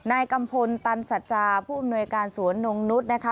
กัมพลตันสัจจาผู้อำนวยการสวนนงนุษย์นะคะ